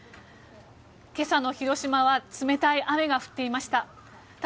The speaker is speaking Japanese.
今朝の広島は冷たい雨が降っていました。